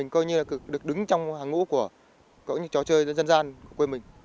coi như là được đứng trong hàng ngũ của những trò chơi dân gian của quê mình